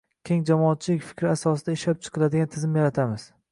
keng jamoatchilik fikri asosida ishlab chiqiladigan tizim yaratamiz.